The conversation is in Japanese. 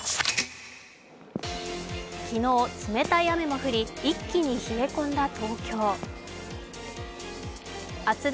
昨日、冷たい雨が降り、一気に冷え込んだ東京。